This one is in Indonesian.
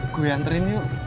gue anterin yuk